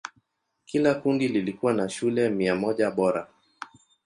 Kila kundi likiwa na shule mia moja bora.